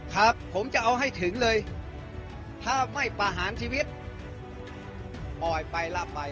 ครับผมจะเอาให้ถึงเลยถ้าไม่ประหารชีวิตปล่อยไปรับไป